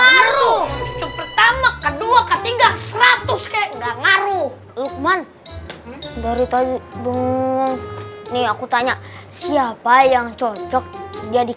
baru pertama kedua ketiga seratus ke ngaruh luqman dari tadi bingung nih aku tanya siapa yang cocok jadi